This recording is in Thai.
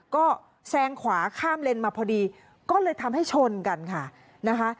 ก็แซงขวาข้ามเลนมาพอดีก็เลยทำให้ชนกันค่ะนะคะ